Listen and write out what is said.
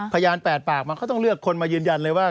พยาน๘ปากมันก็ต้องเลือกคนมายืนยันเลยว่า